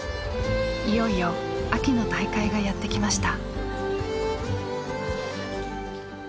いよいよ秋の大会がやってきました。